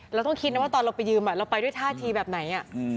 เราต้องคิดนะว่าตอนเราไปยืมเราไปด้วยท่าทีแบบไหน